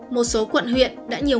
một số quận huyện đã nhiều